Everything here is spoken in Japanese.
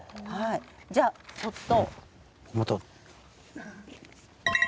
じゃあちょっと。